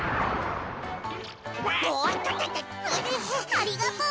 ありがとう。